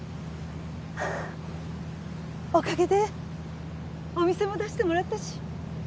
おかげでお店も出してもらったし。